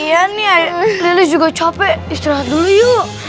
iya nih lili juga capek istirahat dulu yuk